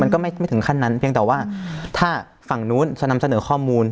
ก็ไม่ถึงขั้นนั้นเพียงแต่ว่าถ้าฝั่งนู้นจะนำเสนอข้อมูล